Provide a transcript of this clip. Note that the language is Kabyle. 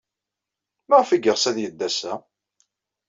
Maɣef ay yeɣs ad yeddu ass-a?